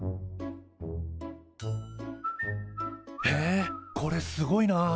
へえこれすごいな。